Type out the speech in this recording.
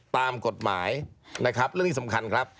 ตามกฎหมายนะครับ